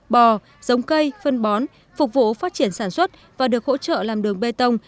bò giống cây phân bón phục vụ phát triển sản xuất và được hỗ trợ làm đường bê tông